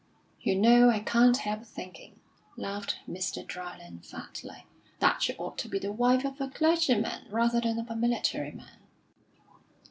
"You know I can't help thinking," laughed Mr. Dryland fatly, "that she ought to be the wife of a clergyman, rather than of a military man."